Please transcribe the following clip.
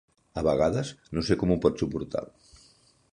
A vegades no sé com ho pot suportar.